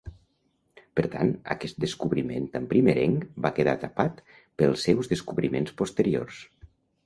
Per tant aquest descobriment tan primerenc va quedar tapat pels seus descobriments posteriors.